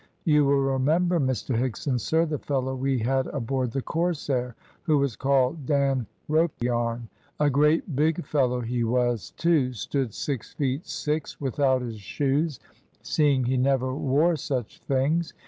You will remember, Mr Higson, sir, the fellow we had aboard the Corsair, who was called Dan Ropeyarn; a great big fellow he was, too stood six feet six without his shoes, seeing he never wore such things.